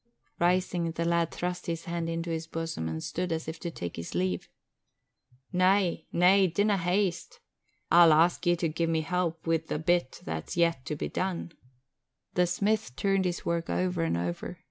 Rising, the lad thrust his hand into his bosom and stood as if to take his leave. "Na, na! Dinna haste! I'll ask ye to gie me help wi' a bit that's yet to be done." The smith turned his work over and over.